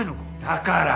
だから。